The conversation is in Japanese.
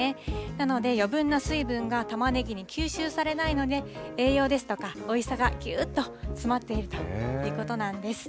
なので、余分な水分がたまねぎに吸収されないので、栄養ですとか、おいしさがぎゅっと詰まっているということなんです。